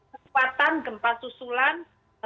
kekuatan gempa susulan